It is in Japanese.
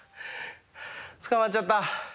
捕まっちゃった。